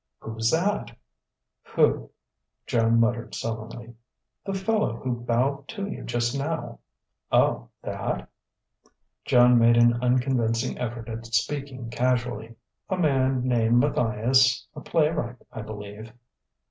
"Who's that?" "Who?" Joan muttered sullenly. "The fellow who bowed to you just now." "Oh, that?" Joan made an unconvincing effort at speaking casually: "A man named Matthias a playwright, I believe."